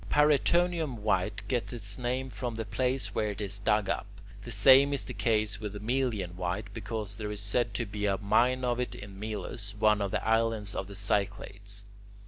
Paraetonium white gets its name from the place where it is dug up. The same is the case with Melian white, because there is said to be a mine of it in Melos, one of the islands of the Cyclades.